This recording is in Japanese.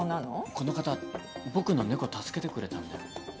この方僕の猫助けてくれたんだよ。